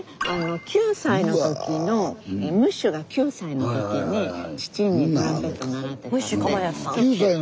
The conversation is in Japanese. ９歳の時のムッシュが９歳の時に父にトランペット習ってたんで。